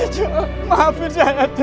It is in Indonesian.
saya tidak bisa berhenti